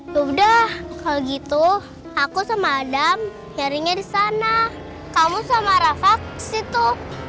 yaudah kalau gitu aku sama adam nyarinya di sana kamu sama rafa kesitu